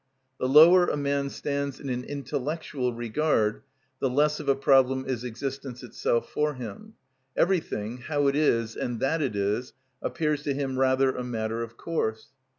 The lower a man stands in an intellectual regard the less of a problem is existence itself for him; everything, how it is, and that it is, appears to him rather a matter of course.